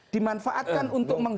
dimanfaatkan untuk dikorek